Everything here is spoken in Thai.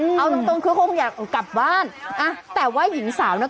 เอาตรงคือคงอยากกลับบ้านอ่ะแต่ว่าหญิงสาวน่ะ